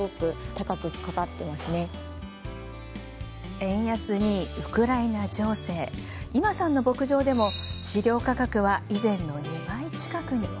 円安にウクライナ情勢今さんの牧場でも飼料価格は以前の２倍近くに。